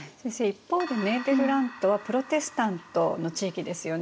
一方でネーデルラントはプロテスタントの地域ですよね。